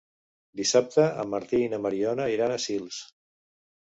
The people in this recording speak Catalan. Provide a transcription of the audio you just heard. Dissabte en Martí i na Mariona iran a Sils.